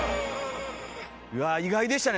わ意外でしたね